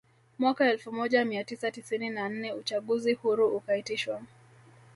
Mwaka elfu moja mia tisa tisini na nne uchaguzi huru ukaitishwa